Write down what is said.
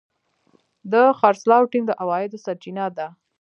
د خرڅلاو ټیم د عوایدو سرچینه ده.